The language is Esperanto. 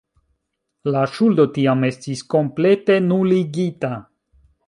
La ŝuldo tiam estis komplete nuligita.